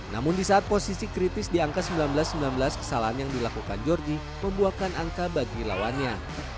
namun di saat posisi kritis di angka sembilan belas sembilan belas kesalahan yang dilakukan georgie membuahkan angka bagi lawannya